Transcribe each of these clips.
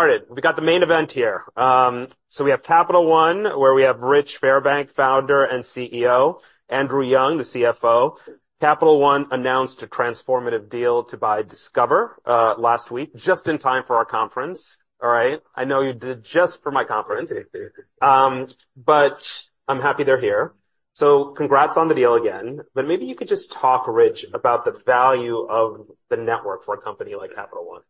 Started. We've got the main event here. So we have Capital One, where we have Rich Fairbank, founder and CEO, Andrew Young, the CFO. Capital One announced a transformative deal to buy Discover last week, just in time for our conference. All right? I know you did just for my conference. But I'm happy they're here. So congrats on the deal again. But maybe you could just talk, Rich, about the value of the network for a company like Capital One.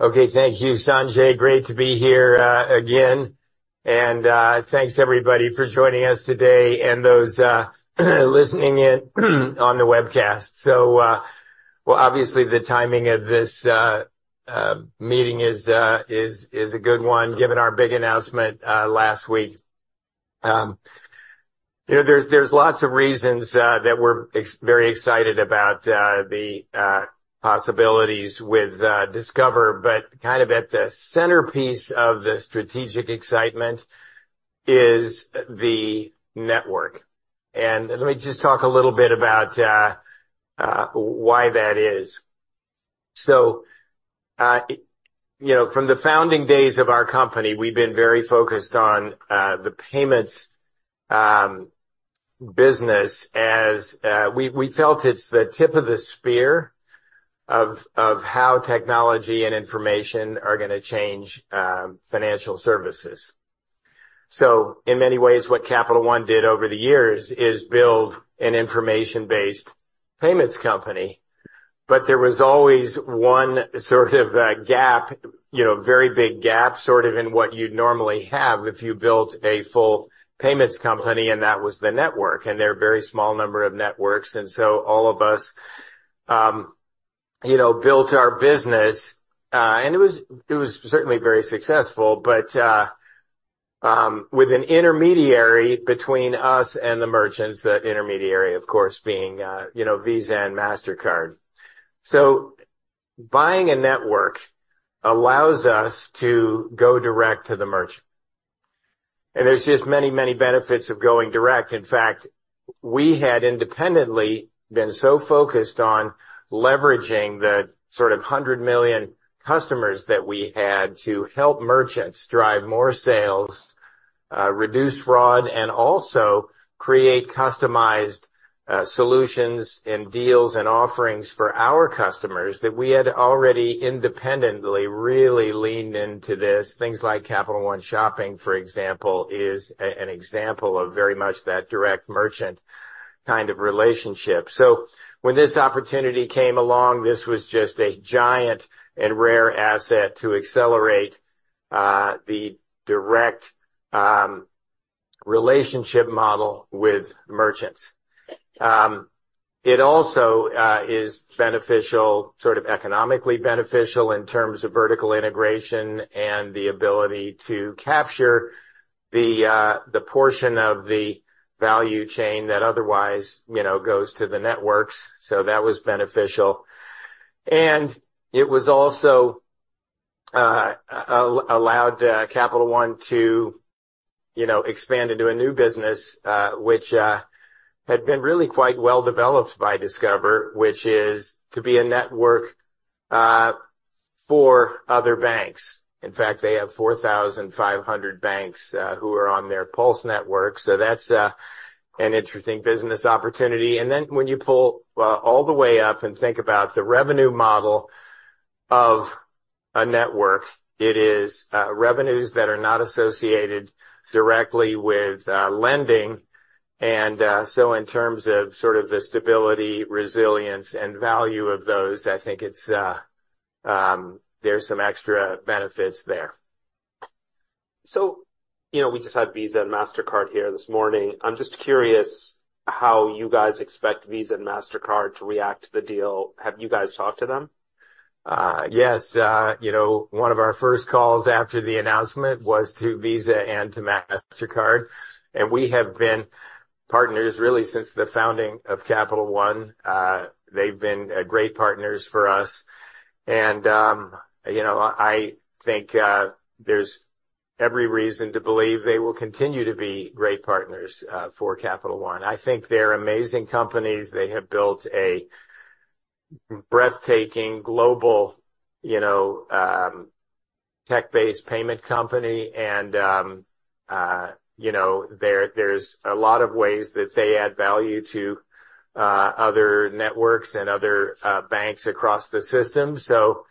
Okay. Thank you, Sanjay. Great to be here, again. And thanks everybody for joining us today and those listening in on the webcast. So, well, obviously the timing of this meeting is a good one, given our big announcement last week. You know, there's lots of reasons that we're extremely excited about the possibilities with Discover. But kind of at the centerpiece of the strategic excitement is the network. And let me just talk a little bit about why that is. So, you know, from the founding days of our company, we've been very focused on the payments business as we felt it's the tip of the spear of how technology and information are gonna change financial services. So in many ways, what Capital One did over the years is build an information-based payments company. But there was always one sort of gap, you know, very big gap, sort of, in what you'd normally have if you built a full payments company, and that was the network. There are a very small number of networks. So all of us, you know, built our business, and it was it was certainly very successful, but with an intermediary between us and the merchants, the intermediary, of course, being, you know, Visa and Mastercard. Buying a network allows us to go direct to the merchant. There's just many, many benefits of going direct. In fact, we had independently been so focused on leveraging the sort of 100 million customers that we had to help merchants drive more sales, reduce fraud, and also create customized solutions and deals and offerings for our customers that we had already independently really leaned into this. Things like Capital One Shopping, for example, is an example of very much that direct merchant kind of relationship. So when this opportunity came along, this was just a giant and rare asset to accelerate the direct relationship model with merchants. It also is beneficial, sort of economically beneficial, in terms of vertical integration and the ability to capture the portion of the value chain that otherwise, you know, goes to the networks. So that was beneficial. And it was also allowed Capital One to, you know, expand into a new business, which had been really quite well-developed by Discover, which is to be a network for other banks. In fact, they have 4,500 banks who are on their PULSE network. So that's an interesting business opportunity. And then when you pull all the way up and think about the revenue model of a network, it is revenues that are not associated directly with lending. So in terms of sort of the stability, resilience, and value of those, I think it's. There's some extra benefits there. So, you know, we just had Visa and Mastercard here this morning. I'm just curious how you guys expect Visa and Mastercard to react to the deal. Have you guys talked to them? Yes. You know, one of our first calls after the announcement was to Visa and to Mastercard. We have been partners, really, since the founding of Capital One. They've been great partners for us. You know, I think there's every reason to believe they will continue to be great partners for Capital One. I think they're amazing companies. They have built a breathtaking global, you know, tech-based payment company. You know, there's a lot of ways that they add value to other networks and other banks across the system. So,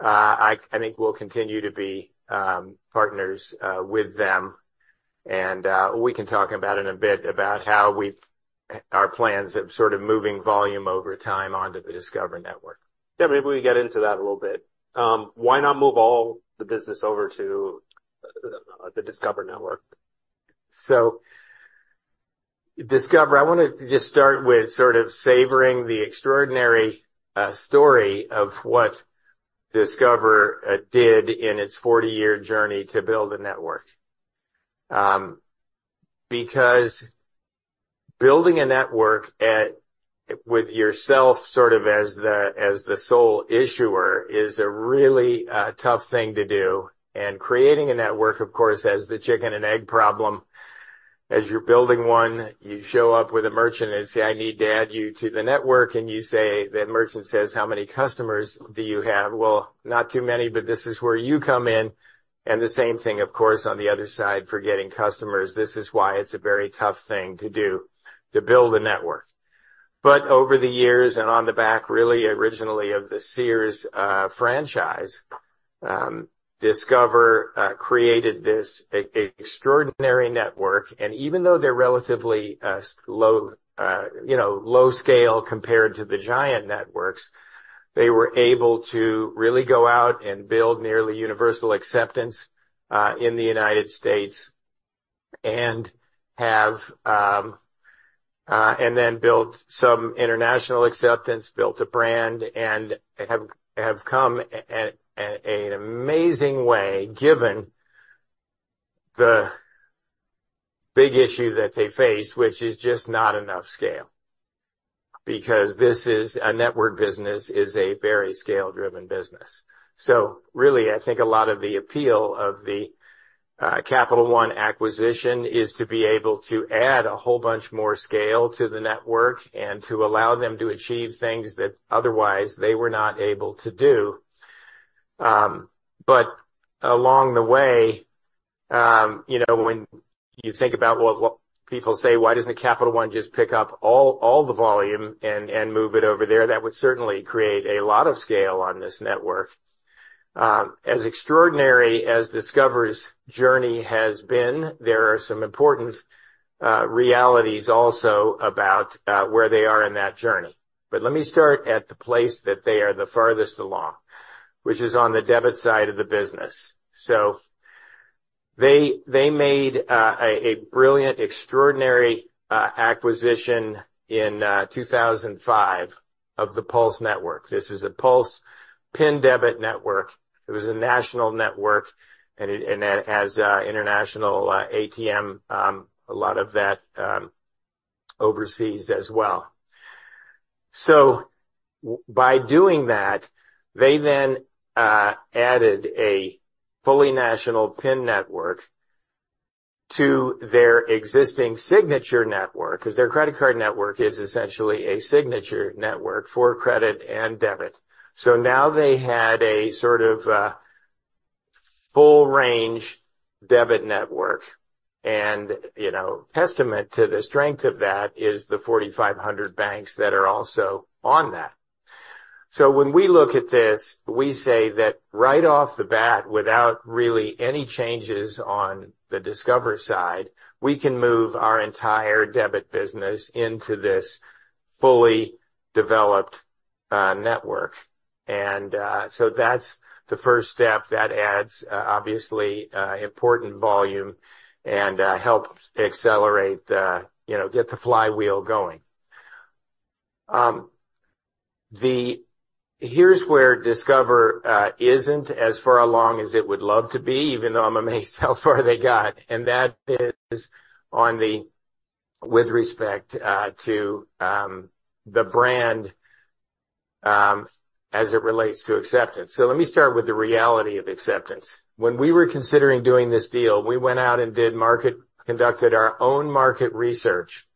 I think we'll continue to be partners with them. We can talk about it in a bit, about how we've our plans of sort of moving volume over time onto the Discover Network. Yeah. Maybe we get into that a little bit. Why not move all the business over to the Discover Network? So, Discover, I wanna just start with sort of savoring the extraordinary story of what Discover did in its 40-year journey to build a network. Because building a network at with yourself sort of as the sole issuer is a really tough thing to do. Creating a network, of course, has the chicken-and-egg problem. As you're building one, you show up with a merchant and say, "I need to add you to the network." And you say the merchant says, "How many customers do you have?" "Well, not too many, but this is where you come in." The same thing, of course, on the other side for getting customers. This is why it's a very tough thing to do, to build a network. Over the years and on the back, really, originally of the Sears franchise, Discover created this extraordinary network. And even though they're relatively slow, you know, low-scale compared to the giant networks, they were able to really go out and build nearly universal acceptance in the United States and have then built some international acceptance, built a brand, and have come an amazing way, given the big issue that they faced, which is just not enough scale. Because this is a network business is a very scale-driven business. So really, I think a lot of the appeal of the Capital One acquisition is to be able to add a whole bunch more scale to the network and to allow them to achieve things that otherwise they were not able to do. But along the way, you know, when you think about what people say, "Why doesn't Capital One just pick up all the volume and move it over there?" That would certainly create a lot of scale on this network. As extraordinary as Discover's journey has been, there are some important realities also about where they are in that journey. But let me start at the place that they are the farthest along, which is on the debit side of the business. So they made a brilliant, extraordinary acquisition in 2005 of the PULSE network. This is a PULSE PIN debit network. It was a national network. And it has international ATM. A lot of that overseas as well. So, by doing that, they then added a fully national PIN network to their existing signature network 'cause their credit card network is essentially a signature network for credit and debit. So now they had a sort of full-range debit network. And, you know, testament to the strength of that is the 4,500 banks that are also on that. So when we look at this, we say that right off the bat, without really any changes on the Discover side, we can move our entire debit business into this fully developed network. And, so that's the first step. That adds, obviously, important volume and helps accelerate, you know, get the flywheel going. Here's where Discover isn't as far along as it would love to be, even though I'm amazed how far they got. And that is on the, with respect to, the brand, as it relates to acceptance. So let me start with the reality of acceptance. When we were considering doing this deal, we went out and conducted our own market research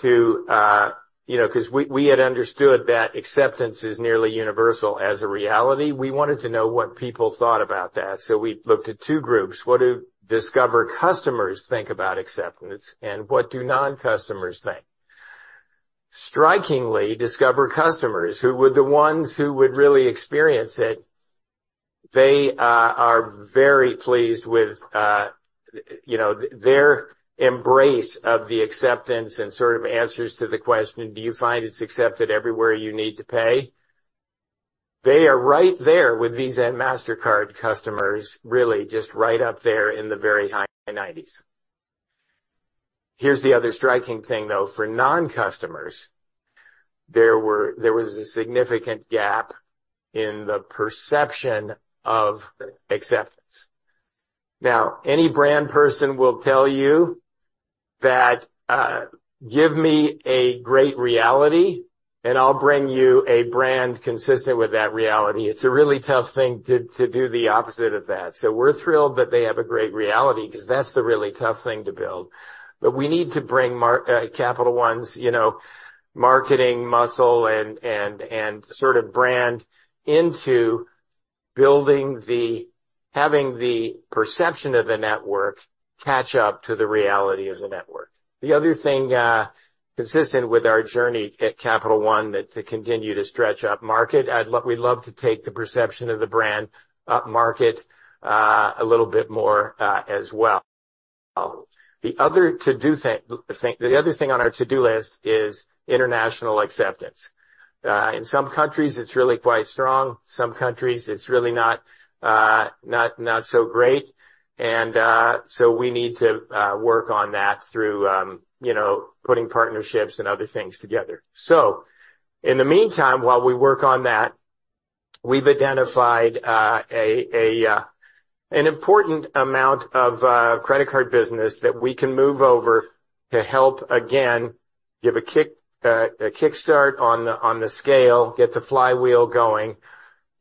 to, you know, 'cause we had understood that acceptance is nearly universal as a reality. We wanted to know what people thought about that. So we looked at two groups. What do Discover customers think about acceptance, and what do non-customers think? Strikingly, Discover customers, who were the ones who would really experience it, they are very pleased with, you know, their embrace of the acceptance and sort of answers to the question, "Do you find it's accepted everywhere you need to pay?" They are right there with Visa and Mastercard customers, really, just right up there in the very high 90s. Here's the other striking thing, though. For non-customers, there was a significant gap in the perception of acceptance. Now, any brand person will tell you that, "Give me a great reality, and I'll bring you a brand consistent with that reality." It's a really tough thing to do the opposite of that. So we're thrilled that they have a great reality 'cause that's the really tough thing to build. But we need to bring our Capital One's, you know, marketing muscle and sort of brand into building the perception of the network catch up to the reality of the network. The other thing, consistent with our journey at Capital One to continue to stretch up market, we'd love to take the perception of the brand up market, a little bit more, as well. The other thing on our to-do list is international acceptance. In some countries, it's really quite strong. Some countries, it's really not so great. So we need to work on that through, you know, putting partnerships and other things together. So in the meantime, while we work on that, we've identified an important amount of credit card business that we can move over to help, again, give a kickstart on the scale, get the flywheel going.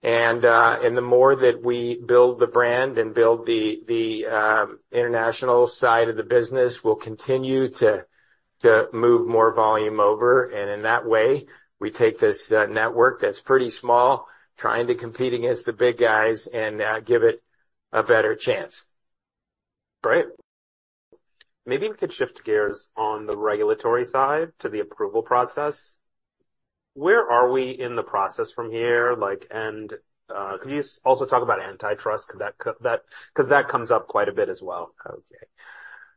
And the more that we build the brand and build the international side of the business, we'll continue to move more volume over. And in that way, we take this network that's pretty small, trying to compete against the big guys, and give it a better chance. Great. Maybe we could shift gears on the regulatory side to the approval process. Where are we in the process from here, like, and, could you also talk about antitrust? 'Cause that comes up quite a bit as well. Okay.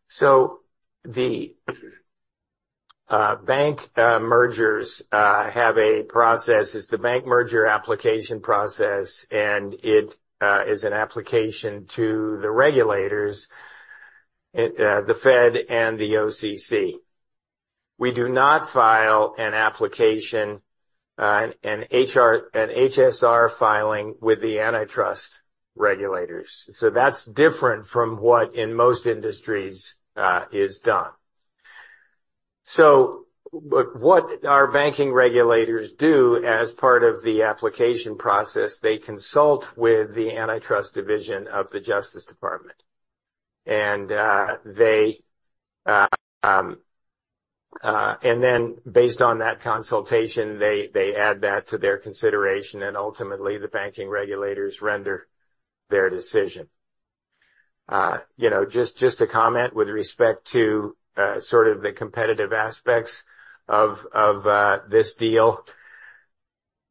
So the bank mergers have a process. It's the bank merger application process. And it is an application to the regulators, the Fed and the OCC. We do not file an application, an HSR filing with the antitrust regulators. So that's different from what in most industries is done. So what our banking regulators do as part of the application process, they consult with the antitrust division of the Justice Department. And then based on that consultation, they add that to their consideration. And ultimately, the banking regulators render their decision. You know, just a comment with respect to sort of the competitive aspects of this deal.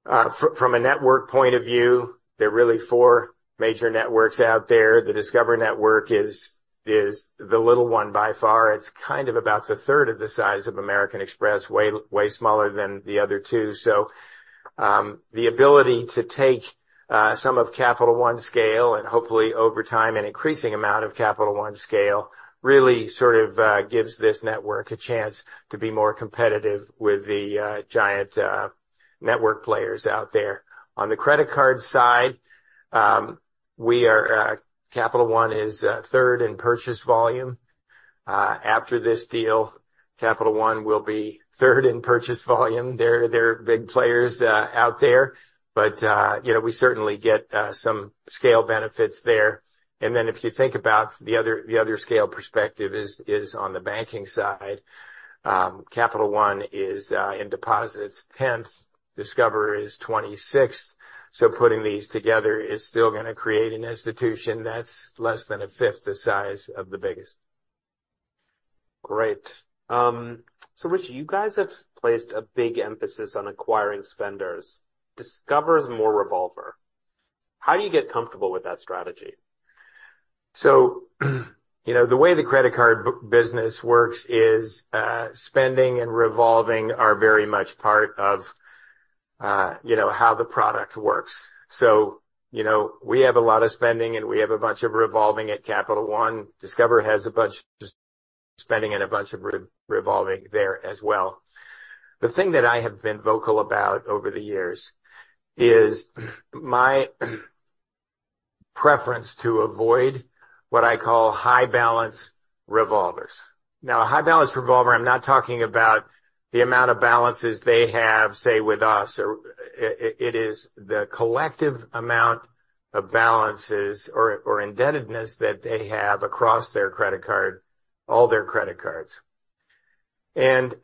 From a network point of view, there are really four major networks out there. The Discover Network is the little one by far. It's kind of about the third of the size of American Express, way, way smaller than the other two. So, the ability to take some of Capital One's scale and hopefully, over time, an increasing amount of Capital One's scale really sort of gives this network a chance to be more competitive with the giant network players out there. On the credit card side, we are Capital One is third in purchase volume. After this deal, Capital One will be third in purchase volume. They're big players out there. But, you know, we certainly get some scale benefits there. And then if you think about the other scale perspective is on the banking side, Capital One is in deposits 10th. Discover is 26th. So putting these together is still gonna create an institution that's less than a fifth the size of the biggest. Great. So Rich, you guys have placed a big emphasis on acquiring spenders. Discover's more revolver. How do you get comfortable with that strategy? So, you know, the way the credit card business works is, spending and revolving are very much part of, you know, how the product works. So, you know, we have a lot of spending, and we have a bunch of revolving at Capital One. Discover has a bunch of spending and a bunch of revolving there as well. The thing that I have been vocal about over the years is my preference to avoid what I call high-balance revolvers. Now, a high-balance revolver, I'm not talking about the amount of balances they have, say, with us. Or it is the collective amount of balances or, or indebtedness that they have across their credit card, all their credit cards. And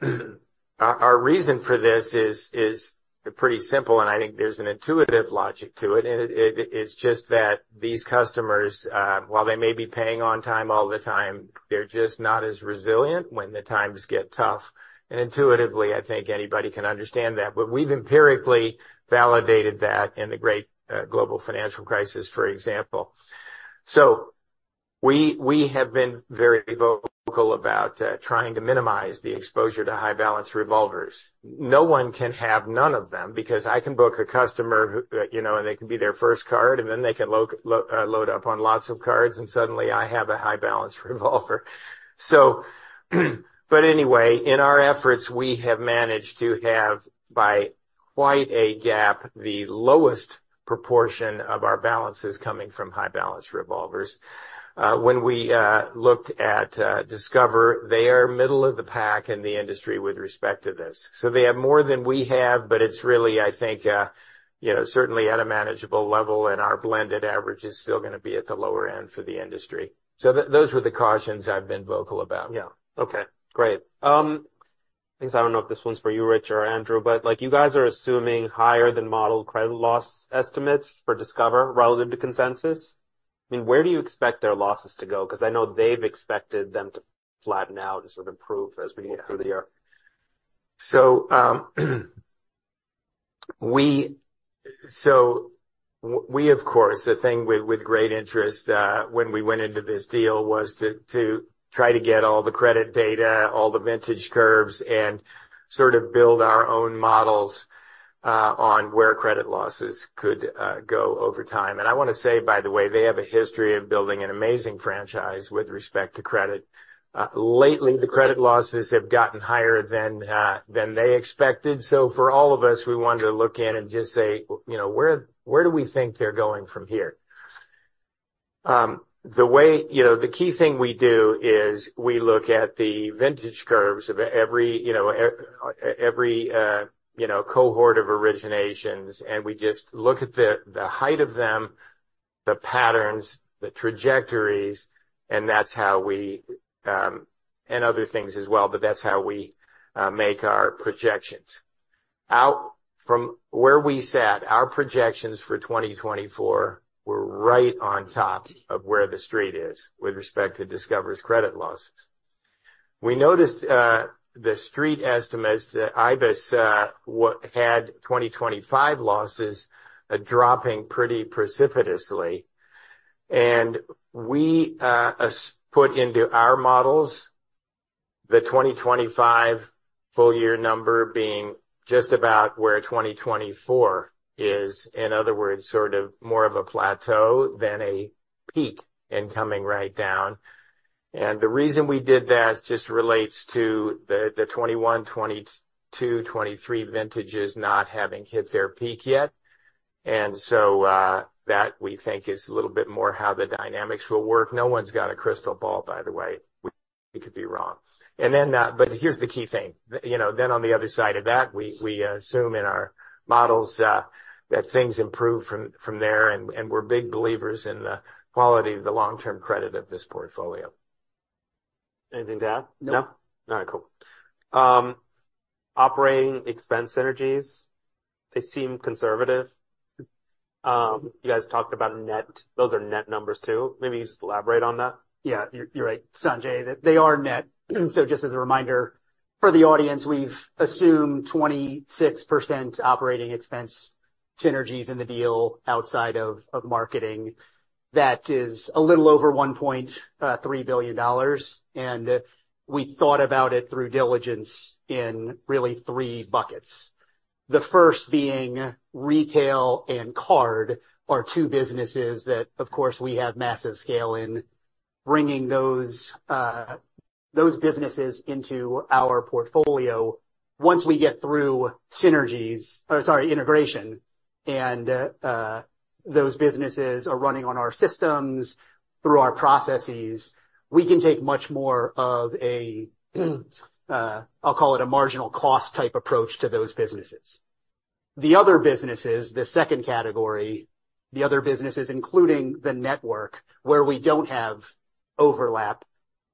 our reason for this is pretty simple. And I think there's an intuitive logic to it. And it's just that these customers, while they may be paying on time all the time, they're just not as resilient when the times get tough. And intuitively, I think anybody can understand that. But we've empirically validated that in the great, global financial crisis, for example. So we have been very vocal about trying to minimize the exposure to high-balance revolvers. No one can have none of them because I can book a customer who, you know and they can be their first card. And then they can load up on lots of cards. And suddenly, I have a high-balance revolver. But anyway, in our efforts, we have managed to have by quite a gap the lowest proportion of our balances coming from high-balance revolvers. When we looked at Discover, they are middle of the pack in the industry with respect to this. So they have more than we have. But it's really, I think, you know, certainly at a manageable level. And our blended average is still gonna be at the lower end for the industry. So those were the cautions I've been vocal about. Yeah. Okay. Great. I guess I don't know if this one's for you, Rich or Andrew, but, like, you guys are assuming higher-than-model credit loss estimates for Discover relative to consensus. I mean, where do you expect their losses to go? 'Cause I know they've expected them to flatten out and sort of improve as we get through the year. Yeah. So, we so we, of course, the thing with great interest, when we went into this deal was to try to get all the credit data, all the vintage curves, and sort of build our own models on where credit losses could go over time. And I wanna say, by the way, they have a history of building an amazing franchise with respect to credit. Lately, the credit losses have gotten higher than they expected. So for all of us, we wanted to look in and just say, you know, "Where do we think they're going from here?" The way, you know, the key thing we do is we look at the vintage curves of every, you know, cohort of originations. And we just look at the height of them, the patterns, the trajectories. And that's how we, and other things as well. But that's how we make our projections. Out from where we sat, our projections for 2024 were right on top of where the street is with respect to Discover's credit losses. We noticed, the street estimates, the IBES, which had 2025 losses, dropping pretty precipitously. And we, as put into our models, the 2025 full-year number being just about where 2024 is, in other words, sort of more of a plateau than a peak and coming right down. And the reason we did that just relates to the, the 2021, 2022, 2023 vintages not having hit their peak yet. And so, that, we think, is a little bit more how the dynamics will work. No one's got a crystal ball, by the way. We, we could be wrong. And then, but here's the key thing. You know, then on the other side of that, we assume in our models that things improve from there. And we're big believers in the quality of the long-term credit of this portfolio. Anything to add? No. No? All right. Cool. Operating expense synergies, they seem conservative. You guys talked about net. Those are net numbers too. Maybe you just elaborate on that. Yeah. You're, you're right, Sanjay, that they are net. So just as a reminder for the audience, we've assumed 26% operating expense synergies in the deal outside of, of marketing. That is a little over $1.3 billion. And, we thought about it through diligence in really three buckets, the first being retail and card are two businesses that, of course, we have massive scale in, bringing those, those businesses into our portfolio. Once we get through synergies or sorry, integration and, those businesses are running on our systems through our processes, we can take much more of a, I'll call it a marginal cost type approach to those businesses. The other businesses, the second category, the other businesses, including the network, where we don't have overlap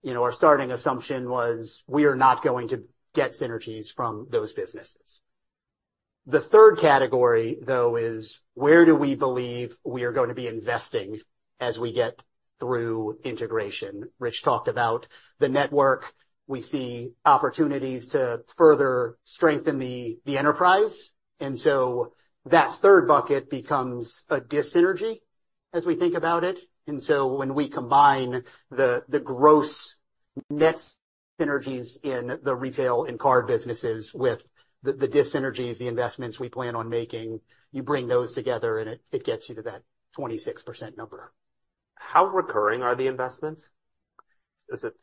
you know, our starting assumption was we are not going to get synergies from those businesses. The third category, though, is where do we believe we are going to be investing as we get through integration? Rich talked about the network. We see opportunities to further strengthen the enterprise. And so that third bucket becomes a dissynergy as we think about it. And so when we combine the gross net synergies in the retail and card businesses with the dissynergies, the investments we plan on making, you bring those together, and it gets you to that 26% number. How recurring are the investments? Is it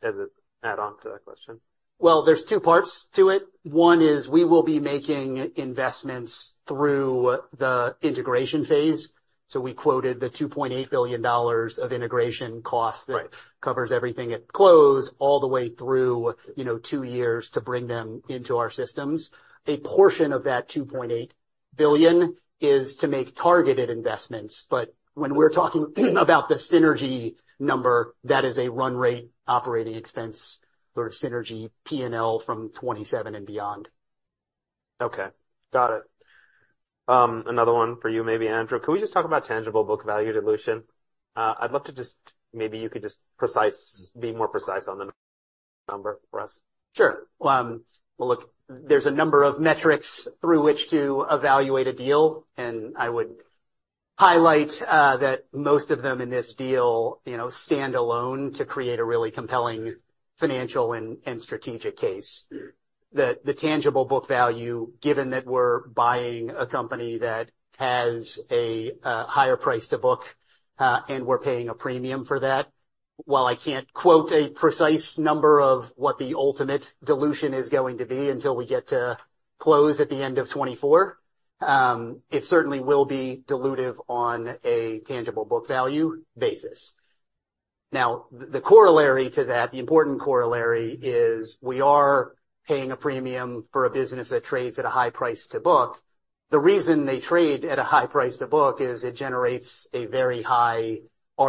add-on to that question? Well, there are two parts to it. One is we will be making investments through the integration phase. So we quoted the $2.8 billion of integration cost that. Right. Covers everything at close all the way through, you know, two years to bring them into our systems. A portion of that $2.8 billion is to make targeted investments. But when we're talking about the synergy number, that is a run-rate operating expense sort of synergy P&L from 2027 and beyond. Okay. Got it. Another one for you, maybe, Andrew. Could we just talk about Tangible Book Value dilution? I'd love to just maybe you could just be more precise on the number for us. Sure. Well, look, there's a number of metrics through which to evaluate a deal. I would highlight that most of them in this deal, you know, stand alone to create a really compelling financial and strategic case. The tangible book value, given that we're buying a company that has a higher price to book, and we're paying a premium for that, while I can't quote a precise number of what the ultimate dilution is going to be until we get to close at the end of 2024, it certainly will be dilutive on a tangible book value basis. Now, the corollary to that, the important corollary is we are paying a premium for a business that trades at a high price to book. The reason they trade at a high price to book is it generates a very high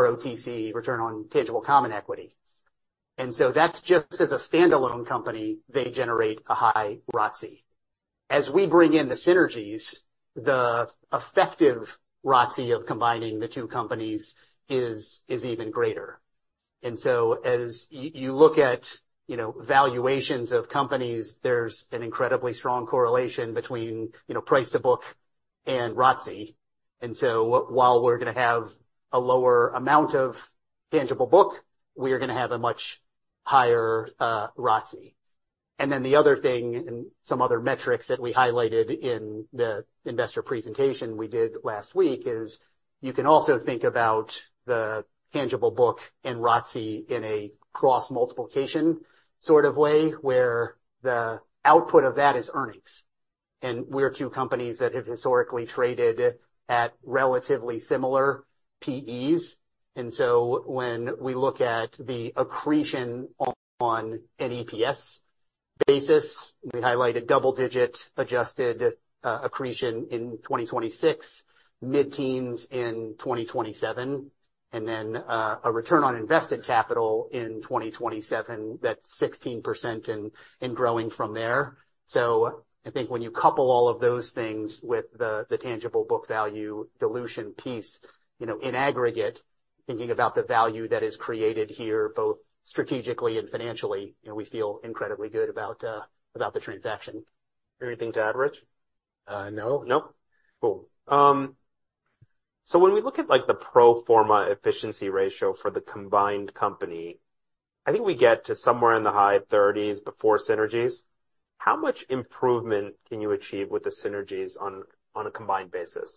ROTCE, return on tangible common equity. And so that's just as a standalone company, they generate a high ROTCE. As we bring in the synergies, the effective ROTCE of combining the two companies is even greater. And so as you look at, you know, valuations of companies, there's an incredibly strong correlation between, you know, price to book and ROTCE. And so while we're gonna have a lower amount of tangible book, we are gonna have a much higher ROTCE. And then the other thing and some other metrics that we highlighted in the investor presentation we did last week is you can also think about the tangible book and ROTCE in a cross-multiplication sort of way where the output of that is earnings. And we are two companies that have historically traded at relatively similar PEs. And so when we look at the accretion on an EPS basis, we highlighted double-digit adjusted accretion in 2026, mid-teens in 2027, and then a return on invested capital in 2027 that's 16% and growing from there. So I think when you couple all of those things with the tangible book value dilution piece, you know, in aggregate, thinking about the value that is created here both strategically and financially, you know, we feel incredibly good about the transaction. Anything to add, Rich? no. No? Cool. So when we look at, like, the pro forma efficiency ratio for the combined company, I think we get to somewhere in the high 30s before synergies. How much improvement can you achieve with the synergies on a combined basis?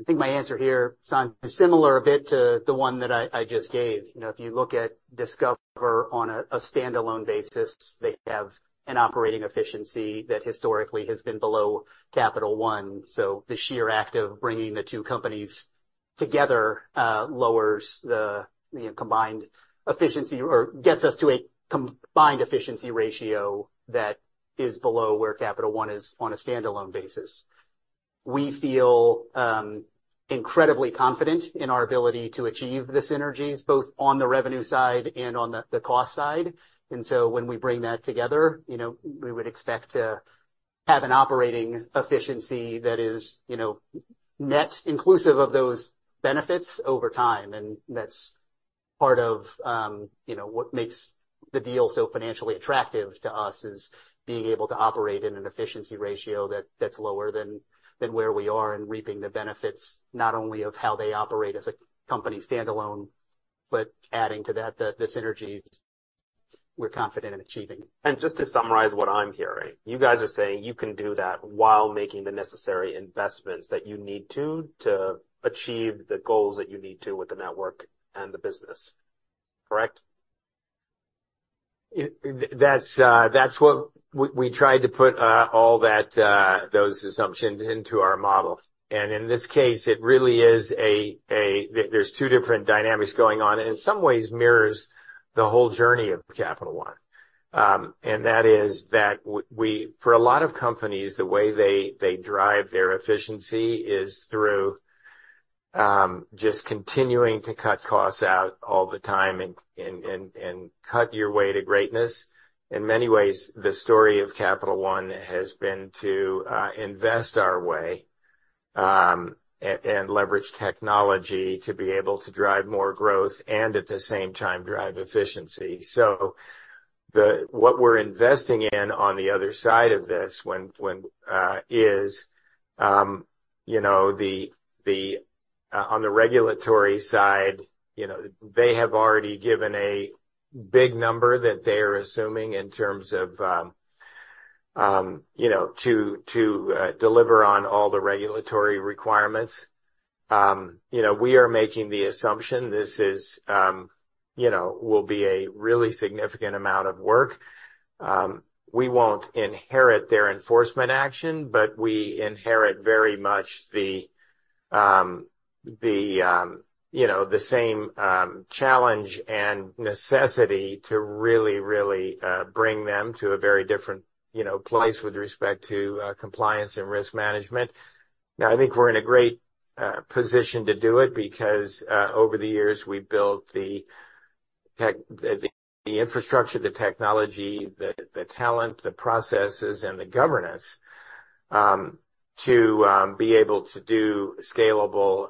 I think my answer here, Sanjay, is similar a bit to the one that I just gave. You know, if you look at Discover on a standalone basis, they have an operating efficiency that historically has been below Capital One. So the sheer act of bringing the two companies together, lowers the, you know, combined efficiency or gets us to a combined efficiency ratio that is below where Capital One is on a standalone basis. We feel incredibly confident in our ability to achieve the synergies both on the revenue side and on the cost side. And so when we bring that together, you know, we would expect to have an operating efficiency that is, you know, net inclusive of those benefits over time. That's part of, you know, what makes the deal so financially attractive to us is being able to operate in an efficiency ratio that's lower than where we are and reaping the benefits not only of how they operate as a company standalone but adding to that the synergies we're confident in achieving. Just to summarize what I'm hearing, you guys are saying you can do that while making the necessary investments that you need to, to achieve the goals that you need to with the network and the business. Correct? Yeah, that's what we tried to put, all that, those assumptions into our model. And in this case, it really is a, there's two different dynamics going on. And in some ways, it mirrors the whole journey of Capital One. And that is that we for a lot of companies, the way they, they drive their efficiency is through, just continuing to cut costs out all the time and cut your way to greatness. In many ways, the story of Capital One has been to invest our way and leverage technology to be able to drive more growth and at the same time drive efficiency. So, what we're investing in on the other side of this is, you know, on the regulatory side, you know, they have already given a big number that they are assuming in terms of, you know, to deliver on all the regulatory requirements. You know, we are making the assumption this is, you know, will be a really significant amount of work. We won't inherit their enforcement action, but we inherit very much the, you know, the same challenge and necessity to really bring them to a very different, you know, place with respect to compliance and risk management. Now, I think we're in a great position to do it because over the years, we've built the tech, the infrastructure, the technology, the talent, the processes, and the governance to be able to do scalable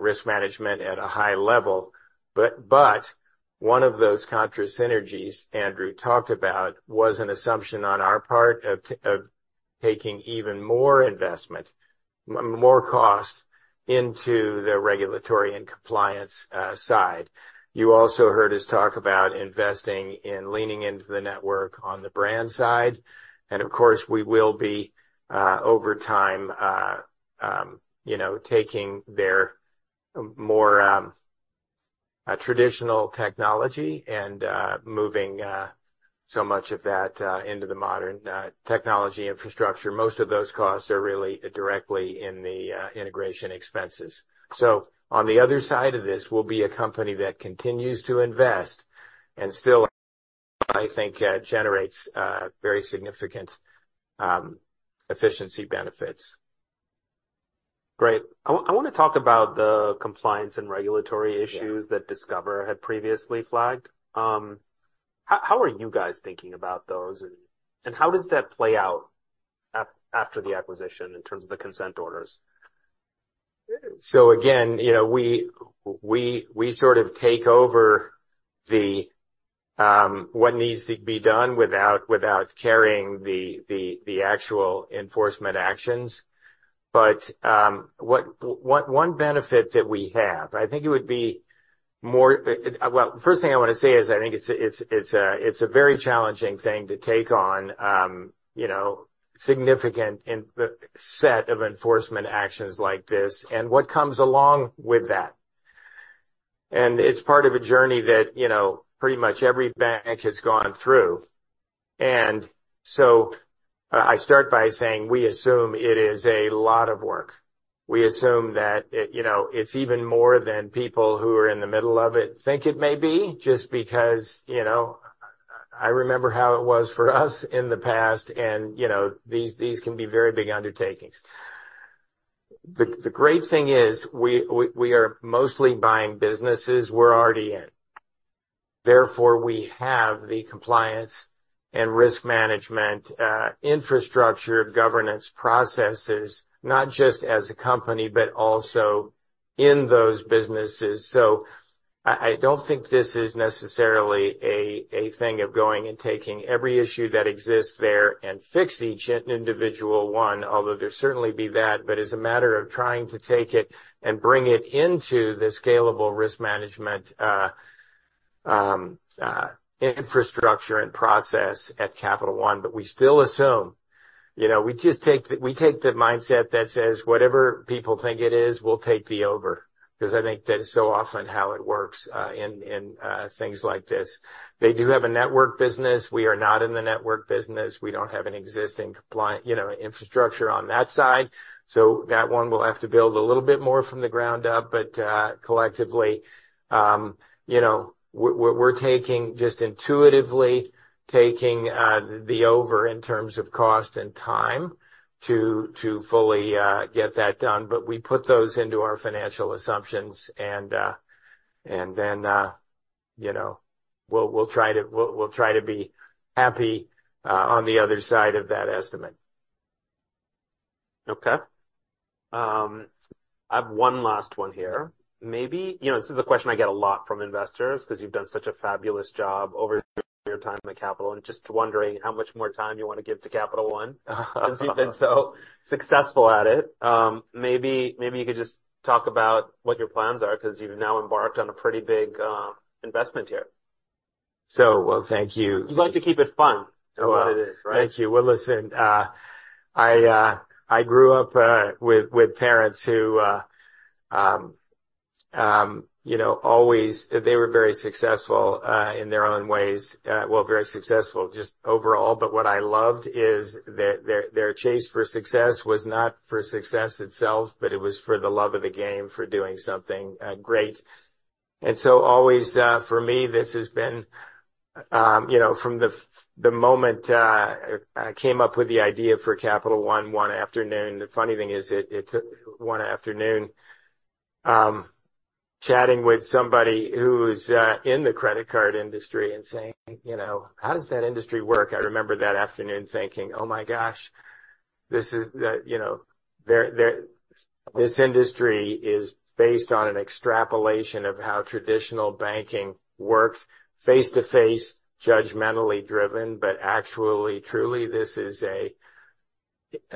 risk management at a high level. But one of those contra-synergies Andrew talked about was an assumption on our part of taking even more investment, more cost into the regulatory and compliance side. You also heard us talk about investing in leaning into the network on the brand side. And of course, we will be over time, you know, taking their more traditional technology and moving so much of that into the modern technology infrastructure. Most of those costs are really directly in the integration expenses. So on the other side of this, we'll be a company that continues to invest and still, I think, generates very significant efficiency benefits. Great. I wanna talk about the compliance and regulatory issues that Discover had previously flagged. How are you guys thinking about those? And how does that play out after the acquisition in terms of the consent orders? So again, you know, we sort of take over what needs to be done without carrying the actual enforcement actions. But one benefit that we have, I think it would be more it well. First thing I wanna say is I think it's a very challenging thing to take on, you know, significant in the set of enforcement actions like this and what comes along with that. And it's part of a journey that, you know, pretty much every bank has gone through. And so, I start by saying we assume it is a lot of work. We assume that it, you know, it's even more than people who are in the middle of it think it may be just because, you know, I remember how it was for us in the past. You know, these can be very big undertakings. The great thing is we are mostly buying businesses we're already in. Therefore, we have the compliance and risk management, infrastructure, governance processes not just as a company but also in those businesses. So I don't think this is necessarily a thing of going and taking every issue that exists there and fix each individual one, although there'll certainly be that. But it's a matter of trying to take it and bring it into the scalable risk management, infrastructure and process at Capital One. But we still assume, you know, we just take the mindset that says, "Whatever people think it is, we'll take the over," 'cause I think that is so often how it works in things like this. They do have a network business. We are not in the network business. We don't have an existing compliance, you know, infrastructure on that side. So that one we'll have to build a little bit more from the ground up. But collectively, you know, we're taking just intuitively the over in terms of cost and time to fully get that done. But we put those into our financial assumptions. And then, you know, we'll try to be happy on the other side of that estimate. Okay. I have one last one here. Maybe you know, this is a question I get a lot from investors, 'cause you've done such a fabulous job over your time at Capital. Just wondering how much more time you wanna give to Capital One since you've been so successful at it. Maybe, maybe you could just talk about what your plans are, 'cause you've now embarked on a pretty big investment here. Well, thank you. You'd like to keep it fun is what it is, right? Oh, well, thank you. Well, listen, I grew up with parents who, you know, always they were very successful in their own ways. Well, very successful just overall. But what I loved is that their chase for success was not for success itself, but it was for the love of the game, for doing something great. And so always, for me, this has been, you know, from the moment I came up with the idea for Capital One one afternoon. The funny thing is it took one afternoon, chatting with somebody who's in the credit card industry and saying, you know, "How does that industry work?" I remember that afternoon thinking, "Oh my gosh, this is the" you know, "They're this industry is based on an extrapolation of how traditional banking worked, face-to-face, judgmentally driven. But actually, truly, this is a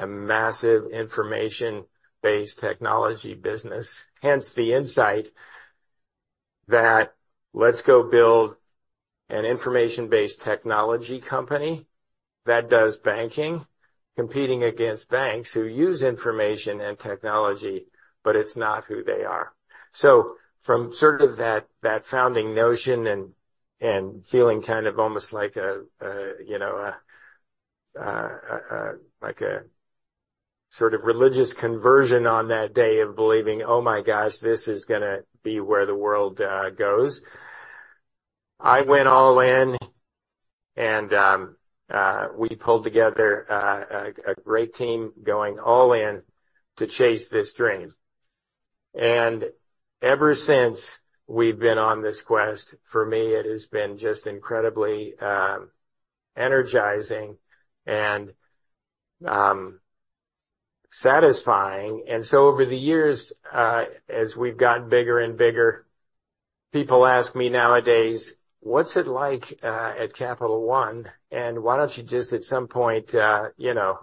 massive information-based technology business. Hence the insight that let's go build an information-based technology company that does banking competing against banks who use information and technology, but it's not who they are. So from sort of that founding notion and feeling kind of almost like a, you know, like a sort of religious conversion on that day of believing, "Oh my gosh, this is gonna be where the world goes," I went all in. And we pulled together a great team going all in to chase this dream. And ever since we've been on this quest, for me, it has been just incredibly energizing and satisfying. And so over the years, as we've gotten bigger and bigger, people ask me nowadays, "What's it like at Capital One? And why don't you just at some point, you know,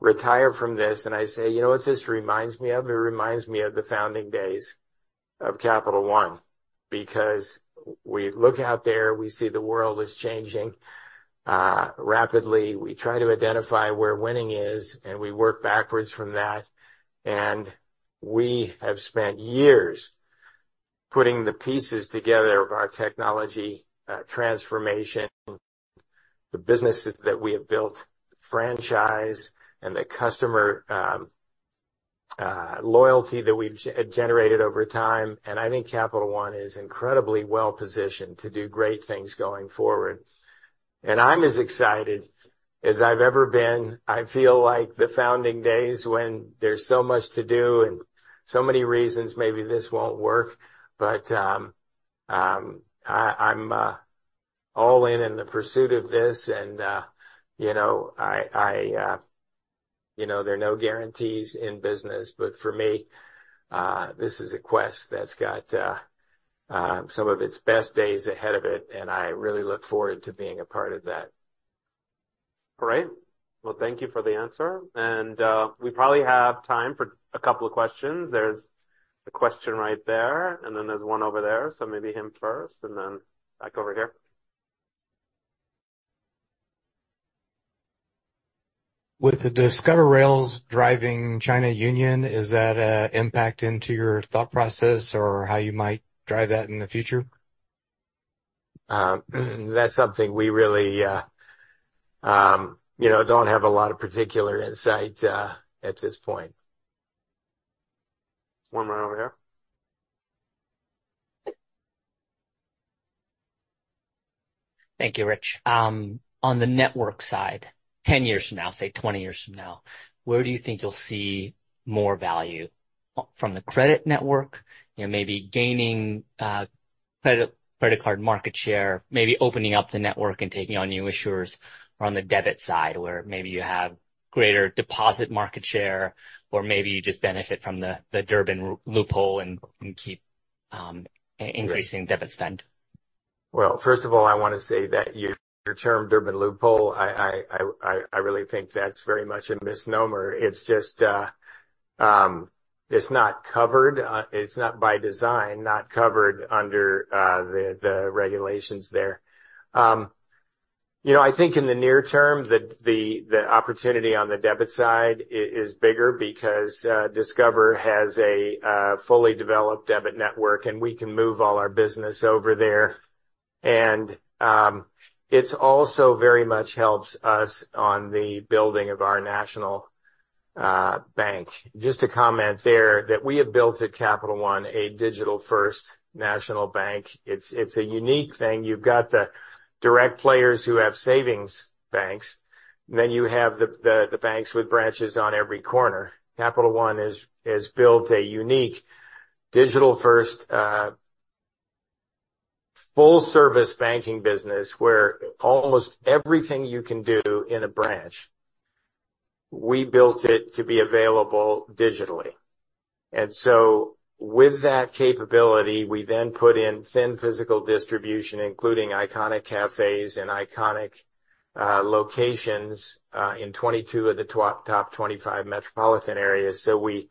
retire from this?" And I say, "You know what this reminds me of? It reminds me of the founding days of Capital One because we look out there. We see the world is changing, rapidly. We try to identify where winning is, and we work backwards from that. And we have spent years putting the pieces together of our technology, transformation, the businesses that we have built, franchise, and the customer loyalty that we've generated over time. And I think Capital One is incredibly well-positioned to do great things going forward. And I'm as excited as I've ever been. I feel like the founding days when there's so much to do and so many reasons maybe this won't work. But, I'm all in in the pursuit of this. And, you know, I, you know, there are no guarantees in business. But for me, this is a quest that's got some of its best days ahead of it. And I really look forward to being a part of that. All right. Well, thank you for the answer. We probably have time for a couple of questions. There's a question right there. And then there's one over there. So maybe him first and then back over here. With the Discover Rails driving China UnionPay, is that an impact into your thought process or how you might drive that in the future? That's something we really, you know, don't have a lot of particular insight at this point. 1 right over here. Thank you, Rich. On the network side, 10 years from now, say 20 years from now, where do you think you'll see more value? Or from the credit network, you know, maybe gaining credit card market share, maybe opening up the network and taking on new issuers, or on the debit side where maybe you have greater deposit market share or maybe you just benefit from the Durbin loophole and keep increasing debit spend? Right. Well, first of all, I wanna say that your term Durbin loophole. I really think that's very much a misnomer. It's just, it's not covered. It's not by design not covered under the regulations there. You know, I think in the near term, the opportunity on the debit side is bigger because Discover has a fully developed debit network. And we can move all our business over there. And, it's also very much helps us on the building of our national bank. Just a comment there that we have built at Capital One a digital-first national bank. It's a unique thing. You've got the direct players who have savings banks. Then you have the banks with branches on every corner. Capital One has built a unique digital-first, full-service banking business where almost everything you can do in a branch, we built it to be available digitally. And so with that capability, we then put in thin physical distribution, including iconic cafés and iconic locations, in 22 of the top 25 metropolitan areas. So we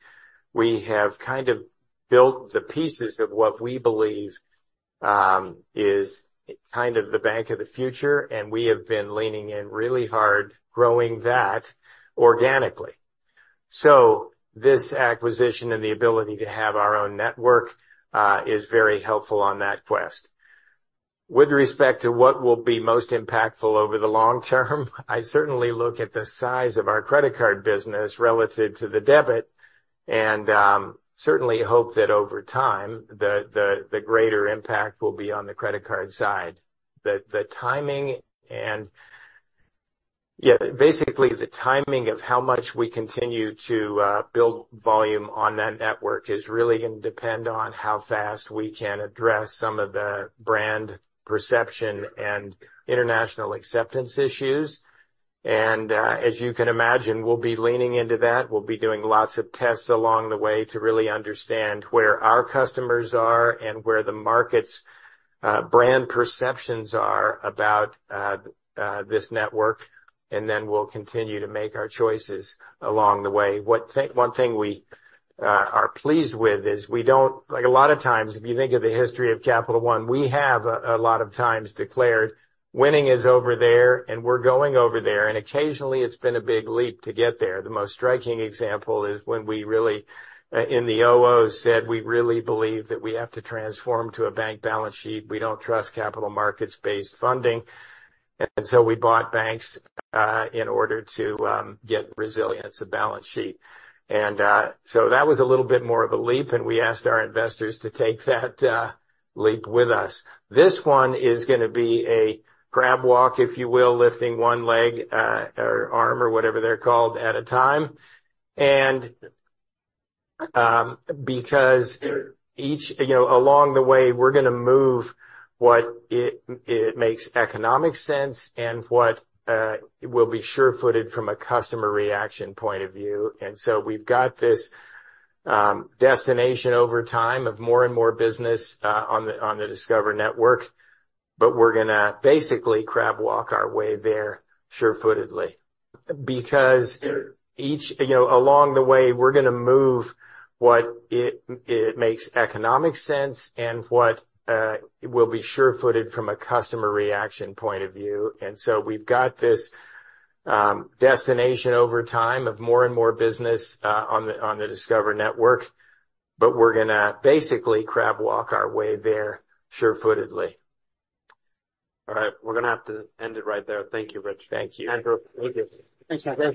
have kind of built the pieces of what we believe is kind of the bank of the future. And we have been leaning in really hard, growing that organically. So this acquisition and the ability to have our own network is very helpful on that quest. With respect to what will be most impactful over the long term, I certainly look at the size of our credit card business relative to the debit and certainly hope that over time, the greater impact will be on the credit card side. The timing and yeah, basically, the timing of how much we continue to build volume on that network is really gonna depend on how fast we can address some of the brand perception and international acceptance issues. And, as you can imagine, we'll be leaning into that. We'll be doing lots of tests along the way to really understand where our customers are and where the market's brand perceptions are about this network. And then we'll continue to make our choices along the way. What one thing we are pleased with is we don't like a lot of times, if you think of the history of Capital One, we have a lot of times declared, "Winning is over there, and we're going over there." And occasionally, it's been a big leap to get there. The most striking example is when we really, in the 2000s, said, "We really believe that we have to transform to a bank balance sheet. We don't trust capital markets-based funding." And so we bought banks, in order to get resilience, a balance sheet. And so that was a little bit more of a leap. And we asked our investors to take that leap with us. This one is gonna be a grab walk, if you will, lifting one leg, or arm or whatever they're called at a time. And because each, you know, along the way, we're gonna move what it makes economic sense and what will be sure-footed from a customer reaction point of view. And so we've got this destination over time of more and more business on the on the Discover Network. But we're gonna basically crawl-walk our way there sure-footedly because, you know, along the way, we're gonna move what it makes economic sense and what will be sure-footed from a customer reaction point of view. And so we've got this destination over time of more and more business on the Discover Network. But we're gonna basically crawl-walk our way there sure-footedly. All right. We're gonna have to end it right there. Thank you, Rich. Thank you. Andrew, thank you. Thanks, Andrew.